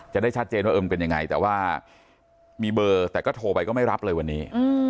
จะได้ชัดเจนว่าเออมันเป็นยังไงแต่ว่ามีเบอร์แต่ก็โทรไปก็ไม่รับเลยวันนี้